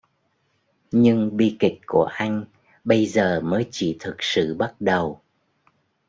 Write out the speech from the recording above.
Nhưng bi kịch của anh bây giờ mới chỉ thực sự bắt đầu